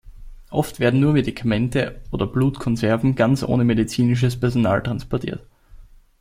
Oft werden nur Medikamente oder Blutkonserven ganz ohne medizinisches Personal transportiert.